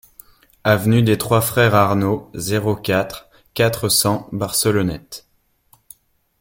Avenue des Trois Frères Arnaud, zéro quatre, quatre cents Barcelonnette